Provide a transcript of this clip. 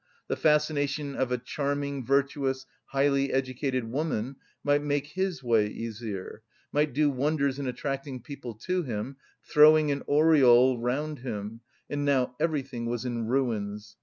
The fascination of a charming, virtuous, highly educated woman might make his way easier, might do wonders in attracting people to him, throwing an aureole round him, and now everything was in ruins!